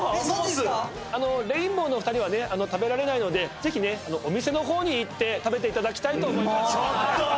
マジっすか⁉レインボーのお二人は食べられないのでぜひねお店の方に行って食べていただきたいと思います。